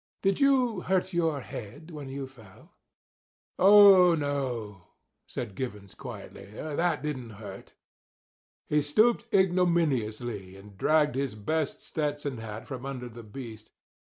Did you hurt your head when you fell?" "Oh, no," said Givens, quietly; "that didn't hurt." He stooped ignominiously and dragged his best Stetson hat from under the beast.